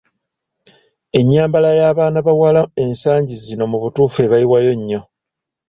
Ennyambala y’abaana bawala ensagi zino mu butuufu ebayiwayo nnyo !